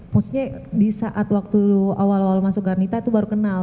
maksudnya di saat waktu awal awal masuk garnita itu baru kenal